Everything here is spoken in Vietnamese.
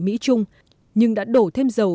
mỹ trung nhưng đã đổ thêm dầu